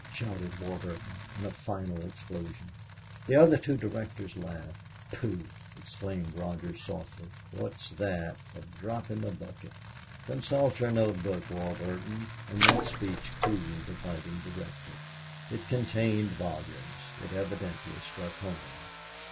shouted Warburton, in a final explosion. The other two directors laughed. "Pooh!" exclaimed Rogers, softly. "What is that? A drop in the bucket! Consult your note book, Warburton." And that speech cooled the fighting director. It contained volumes. It evidently struck home.